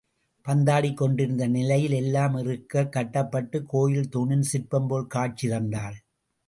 பந்தாடிக் கொண்டிருந்த நிலையில் எல்லாம் இறுக்கக் கட்டப்பட்டுக் கோயில் தூணின் சிற்பம்போல் காட்சி தந்தாள்.